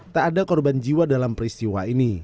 tak ada korban jiwa dalam peristiwa ini